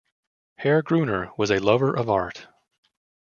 Herr Gruner was a lover of art.